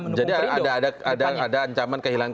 menukung perindo jadi ada ancaman kehilangan